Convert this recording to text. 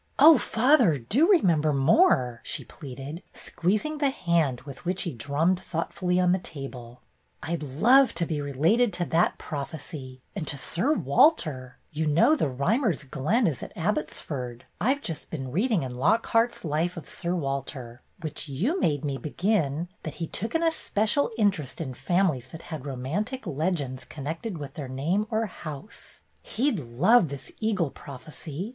"Oh, father, do remember more!" she pleaded, squeezing the hand with which he drummed thoughtfully on the table. "I 'd 1 8 BETTY BAIRD'S GOLDEN YEAR love so to be related to that prophecy — and to Sir Walter ! You know The Rhymer's Glen is at Abbotsford. I've just been reading in Lockhart's Life of Sir Walter — which you made me begin — that he took an especial interest in families that had romantic legends connected with their name or house. He'd love this eagle prophecy.